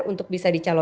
untuk bisa dicalonkan